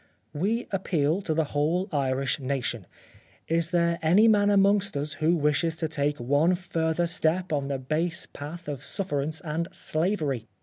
" We appeal to the whole Irish Nation — is there any man amongst us who wishes to take one further step on the base path of sufferance and slavery